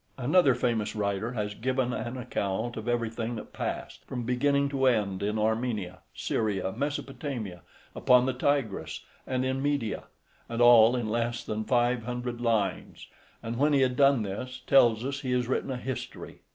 Another famous writer has given an account of everything that passed, from beginning to end, in Armenia, Syria, Mesopotamia, upon the Tigris, and in Media, and all in less than five hundred lines; and when he had done this, tells us, he has written a history.